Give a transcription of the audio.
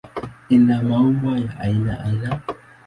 Ina maua ya aina aina.